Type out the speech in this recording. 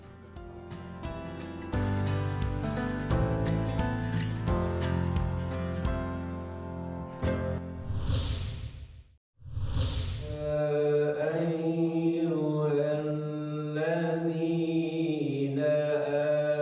pertanyaan pertama apa yang kita lakukan